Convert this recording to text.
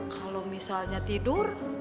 kalau misalnya tidur